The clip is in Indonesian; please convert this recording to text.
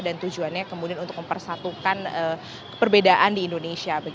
dan tujuannya kemudian untuk mempersatukan perbedaan di indonesia